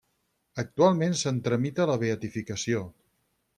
Actualment se'n tramita la beatificació.